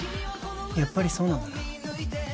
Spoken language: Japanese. やっぱりそうなんだな